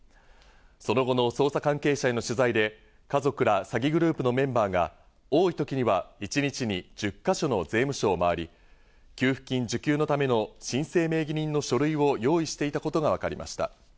その後の捜査関係者への取材で、家族ら詐欺グループのメンバーが多い時には一日に１０か所の税務署を回り、給付金受給のための申請名義人の書類を用意していたことがわかりました。